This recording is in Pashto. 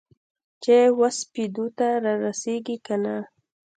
چې وسپېدو ته رارسیږې کنه؟